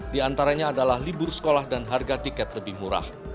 di antaranya adalah libur sekolah dan harga tiket lebih murah